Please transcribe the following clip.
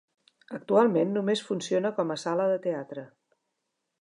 Actualment només funciona com a sala de teatre.